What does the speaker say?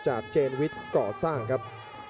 เจนวิทย์ก่อสร้างครับ